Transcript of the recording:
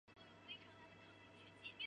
高山条蕨为条蕨科条蕨属下的一个种。